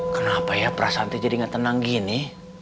kenapa ya prasanti jadi gak tenang gini